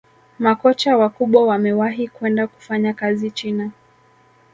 makocha wakubwa wamewahi kwenda kufanya kazi china